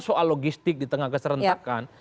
soal logistik di tengah keserentakan